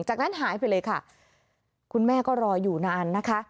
จากนั้นหายไปเลยค่ะคุณแม่ก็รออยู่นานนะคะ